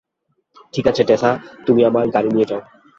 ঠিক আছে, টেসা, তুমি আমার গাড়ি নিয়ে যাও।